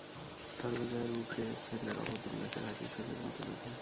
সর্বজয়ার বুকে ছেলের অবোধ উল্লাসের হাসি শেলের মতো বেঁধে।